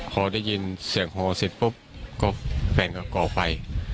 พอได้ยินเสียงฮอเสร็จปุ๊บก็แฟนก็ก่อไป